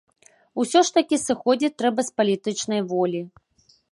Усё ж такі, сыходзіць трэба з палітычнай волі.